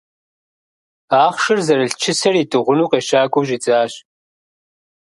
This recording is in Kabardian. Ахъшэр зэрылъ чысэр идыгъуну къещакӀуэу щӀидзащ.